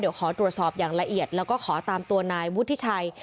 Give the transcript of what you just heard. เดี๋ยวขอตรวจสอบอย่างละเอียดแล้วก็ขอตามตัวนายวุฒิชัย